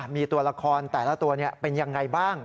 มีตัวละครแต่ละตัวเป็นยังไงบ้าง